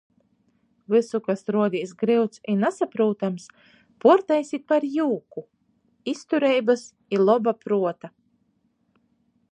Vysu, kas ruodīs gryuts i nasaprūtams, puortaisit par jūku! Iztureibys i loba pruota!!!